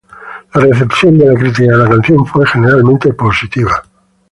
La recepción de la crítica de la canción fue generalmente positiva.